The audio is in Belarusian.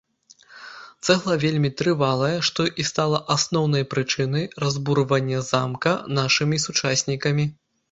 Цэгла вельмі трывалая, што і стала асноўнай прычынай разбурвання замка нашымі сучаснікамі.